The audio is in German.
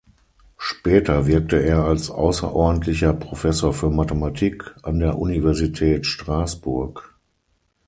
Später wirkte er als außerordentlicher Professor für Mathematik an der Universität Straßburg.